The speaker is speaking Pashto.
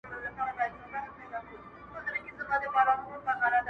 o لالا راوړې، لالا خوړلې.